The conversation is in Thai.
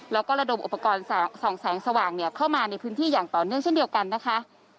แล้วก็ระดมอุปกรณ์ส่องแสงสว่างเข้ามาในพื้นที่อย่างต่อเนื่องเช่นเดียวกันนะคะ